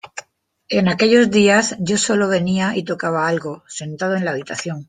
En aquellos días yo sólo venía y tocaba algo, sentado en la habitación.